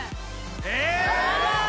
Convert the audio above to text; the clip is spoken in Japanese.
えっ！？